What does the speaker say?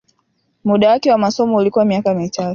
Muda wake wa masomo ulikuwa miaka mitatu